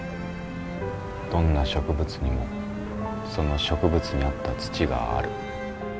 どんな植物にもその植物に合った土がある。